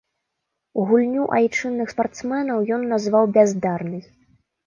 Гульню айчынных спартсменаў ён назваў бяздарнай.